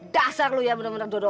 dasar lu ya bener bener dodol